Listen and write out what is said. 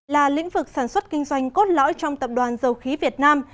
là lĩnh vực sản xuất kinh doanh cốt lõi trong tập đoàn dầu khí việt nam